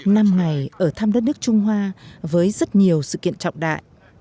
năm ngày ở thăm đất nước trung hoa với rất nhiều sự kiện trọng đại